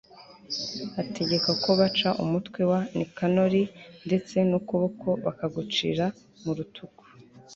ategeka ko baca umutwe wa nikanori ndetse n'ukuboko bakagucira mu rutugu